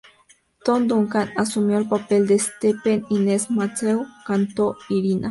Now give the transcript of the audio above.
Todd Duncan asumió el papel de Stephen; Inez Matthews cantó Irina.